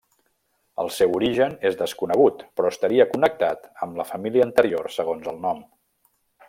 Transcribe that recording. El seu origen és desconegut però estaria connectat amb la família anterior segons el nom.